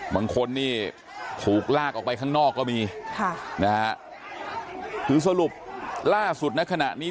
บางคนนี่ถูกลากออกไปข้างนอกก็มีค่ะนะฮะคือสรุปล่าสุดในขณะนี้